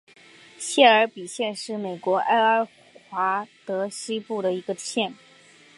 谢尔比县是美国爱阿华州西部的一个县。